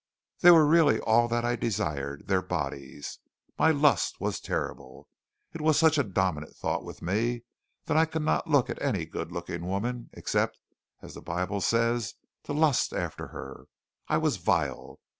They were really all that I desired their bodies. My lust was terrible. It was such a dominant thought with me that I could not look at any good looking woman except, as the Bible says, to lust after her. I was vile.